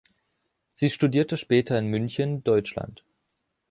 Sie studierte später in München, Deutschland.